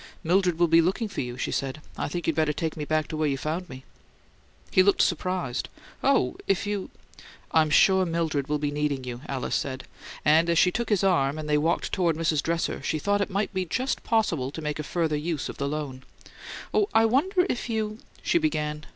"Mildred will be looking for you," she said. "I think you'd better take me back to where you found me." He looked surprised. "Oh, if you " "I'm sure Mildred will be needing you," Alice said, and as she took his arm and they walked toward Mrs. Dresser, she thought it might be just possible to make a further use of the loan. "Oh, I wonder if you " she began.